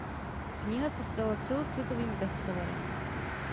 Kniha se stala celosvětovým bestsellerem.